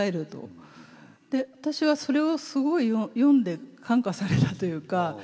で私はそれをすごい読んで感化されたというか。